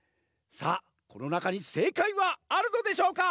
さあこのなかにせいかいはあるのでしょうか？